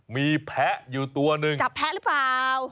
มีแพะอยู่ตัวหนึ่งจับแพะหรือเปล่า